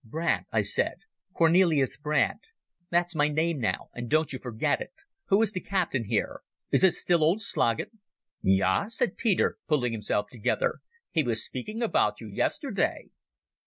"Brandt," I said, "Cornelis Brandt. That's my name now, and don't you forget it. Who is the captain here? Is it still old Sloggett?" "Ja," said Peter, pulling himself together. "He was speaking about you yesterday."